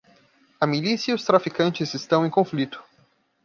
A milícia e os traficantes estão em conflito.